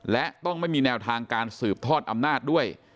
และต้องไม่มีแนวทางการสืบทอดอำนาจด้วย